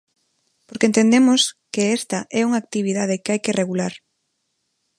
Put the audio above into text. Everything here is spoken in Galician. Porque entendemos que esta é unha actividade que hai que regular.